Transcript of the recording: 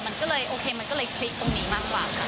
มันก็เลยโอเคมันก็เลยคลิกตรงนี้มากกว่าค่ะ